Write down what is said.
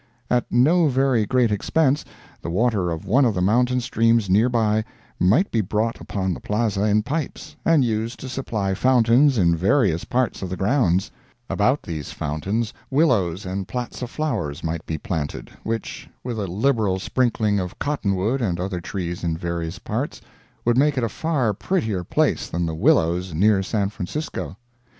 At no very great expense, the water of one of the mountain streams nearby might be brought upon the Plaza in pipes, and used to supply fountains in various parts of the grounds; about these fountains willows and plats of flowers might be planted, which, with a liberal sprinkling of cottonwood and other trees in various parts, would make it a far prettier place than the "Willows," near San Francisco.